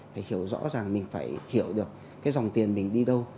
thì rõ ràng mình phải hiểu được cái dòng tiền mình đi đâu